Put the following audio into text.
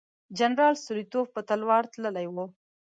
جنرال ستولیتوف په تلوار تللی وو.